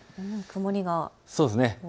曇りが多そうですね。